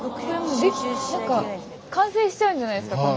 完成しちゃうんじゃないですか？